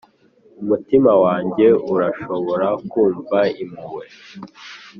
umutima wanjye urashobora kumva impuhwe